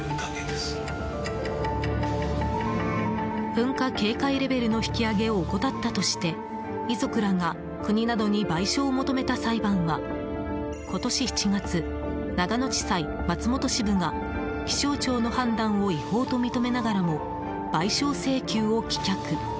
噴火警戒レベルの引き上げを怠ったとして遺族らが国などに賠償を求めた裁判は今年７月、長野地裁松本支部が気象庁の判断を違法と認めながらも賠償請求を棄却。